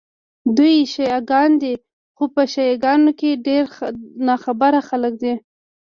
دوی شیعه ګان دي، خو په شیعه ګانو کې ډېر ناخبره خلک دي.